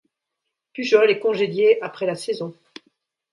Pujols est congédié après la saison.